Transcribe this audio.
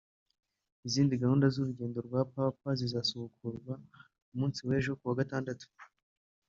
Izindi gahunda z’urugendo rwa papa zizasubukurwa ku munsi w’ejo kuwa gatandatu